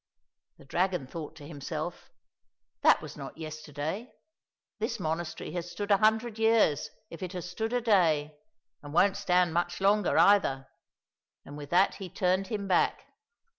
The dragon thought to him self, " That was not yesterday ! This monastery has stood a hundred years if it has stood a day, and won't stand much longer either," and with that he turned him back.